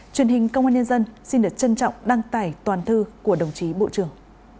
truyền hình công an nhân dân xin được trân trọng đăng tải toàn thư của đồng chí bộ trưởng